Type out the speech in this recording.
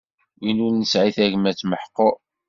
Win ur nesɛi tagmat meḥqur.